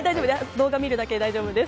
動画見るだけで大丈夫です。